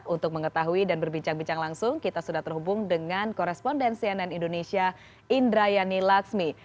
untuk mengetahui dan berbincang bincang langsung kita sudah terhubung dengan koresponden cnn indonesia indrayani laksmi